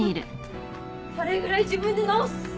これぐらい自分で直す！